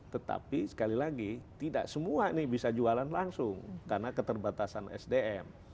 tetapi sekali lagi tidak semua ini bisa jualan langsung karena keterbatasan sdm